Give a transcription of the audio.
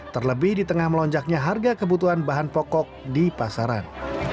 terlebih di tengah melonjaknya harga kebutuhan bahan pokok di pasaran